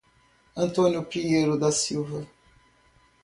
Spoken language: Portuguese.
Antônio Pinheiro da Silva